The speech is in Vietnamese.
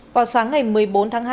vào sáng ngày một mươi bốn tháng hai